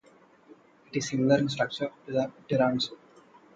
It is similar in structure to the tiramisu.